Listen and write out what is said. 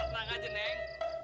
neng aja neng